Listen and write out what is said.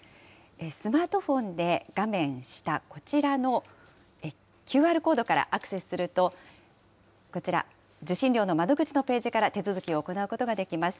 スマートフォンで画面下、こちらのＱＲコードからアクセスすると、こちら、受信料の窓口のページから手続きを行うことができます。